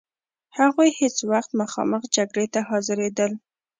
هغوی هیڅ وخت مخامخ جګړې ته حاضرېدل.